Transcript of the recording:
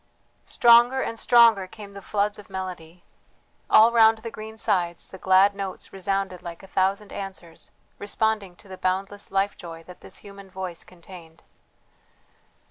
Stronger and stronger came the floods of melody; all round the green sides the glad notes resounded like a thousand answers, responding to the boundless life joy that this human voice contained.